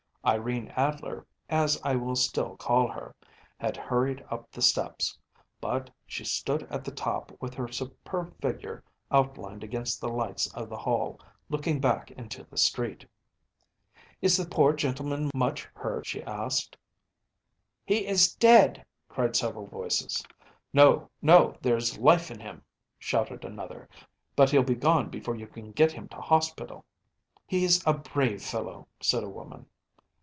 Irene Adler, as I will still call her, had hurried up the steps; but she stood at the top with her superb figure outlined against the lights of the hall, looking back into the street. “Is the poor gentleman much hurt?‚ÄĚ she asked. “He is dead,‚ÄĚ cried several voices. “No, no, there’s life in him!‚ÄĚ shouted another. “But he’ll be gone before you can get him to hospital.‚ÄĚ “He’s a brave fellow,‚ÄĚ said a woman.